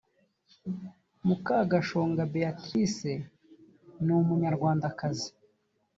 mukagashonga beatrice ni umunyarwandakazi